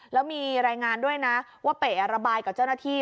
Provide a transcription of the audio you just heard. แล้วมีรายงานด้วยนะว่าเป๋ระบายกับเจ้าหน้าที่